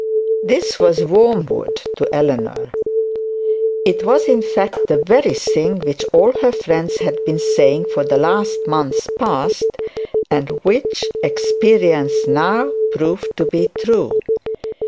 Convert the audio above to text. This was wormwood to Eleanor. It was in fact the very thing which all her friends had been saying for the last month past; and which experience now proved to be true.